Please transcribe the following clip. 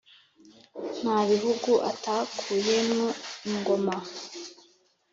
nta bihugu atakuye mwo ingoma